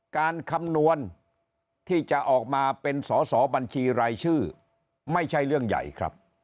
คำนวณที่จะออกมาเป็นสอสอบัญชีรายชื่อไม่ใช่เรื่องใหญ่ครับ